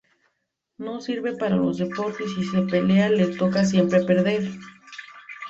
No sirve para los deportes y si se pelea le toca siempre perder.